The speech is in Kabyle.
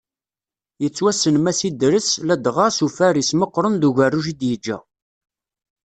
Yettwassen Mass Idres, ladɣa, s ufaris meqqren d ugerruj i d-yeǧǧa.